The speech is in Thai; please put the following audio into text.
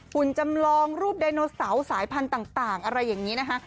จำลองรูปไดโนเสาร์สายพันธุ์ต่างอะไรอย่างนี้นะคะ